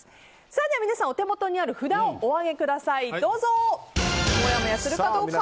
では皆さん、お手元にある札をお上げください、どうぞ。